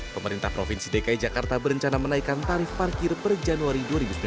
pemerintah provinsi dki jakarta berencana menaikkan tarif parkir per januari dua ribu sembilan belas